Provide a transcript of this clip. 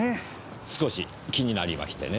少し気になりましてね。